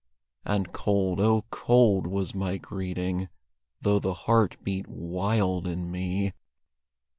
And cold, oh, cold was my greeting, Though the heart beat wild in me.